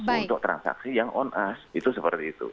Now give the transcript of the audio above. untuk transaksi yang on us itu seperti itu